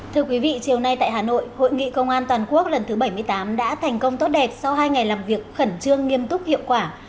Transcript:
thưa quý vị chiều nay tại hà nội hội nghị công an toàn quốc lần thứ bảy mươi tám đã thành công tốt đẹp sau hai ngày làm việc khẩn trương nghiêm túc hiệu quả